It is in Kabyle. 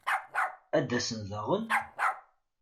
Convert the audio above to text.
Ad d-asen daɣen?